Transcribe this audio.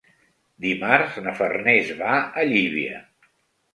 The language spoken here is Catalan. Dimarts na Farners va a Llívia.